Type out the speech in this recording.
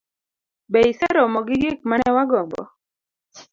Be iseromo gi gik ma ne wagombo?